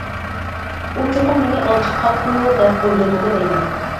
ئۇ چوقۇم مېنى ئالجىپ قاپتۇ، دەپ ئويلىدىغۇ دەيمەن.